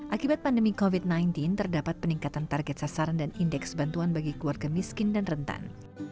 akibat pandemi covid sembilan belas terdapat peningkatan target sasaran dan indeks bantuan bagi keluarga miskin dan rentan